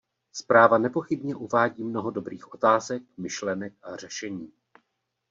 Zpráva nepochybně uvádí mnoho dobrých otázek, myšlenek a řešení.